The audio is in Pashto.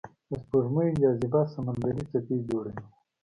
د سپوږمۍ جاذبه سمندري څپې جوړوي.